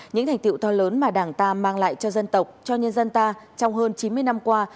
những thành tiệu to lớn mà đảng ta mang lại cho dân tộc cho nhân dân ta trong hơn chín mươi năm qua